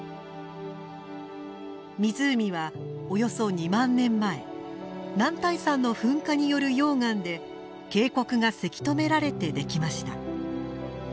湖はおよそ２万年前男体山の噴火による溶岩で渓谷がせき止められてできました。